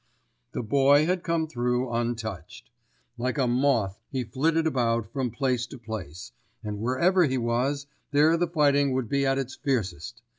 The Boy had come through untouched. Like a moth he flitted about from place to place, and wherever he was, there the fighting would be at its fiercest.